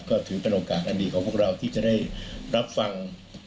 ก็ถือเป็นโอกาสอันดีของพวกเราที่จะได้รับฟัง